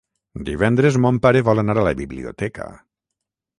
Divendres mon pare vol anar a la biblioteca.